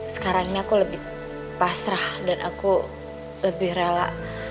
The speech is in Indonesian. sekarang ini aku lebih pasrah dan aku lebih rela